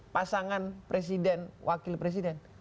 pasangan presiden wakil presiden